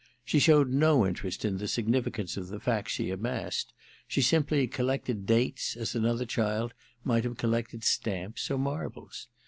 She showed no interest in the significance of the facts she amassed : she simply collected dates as another child might have collected stamps or marbles.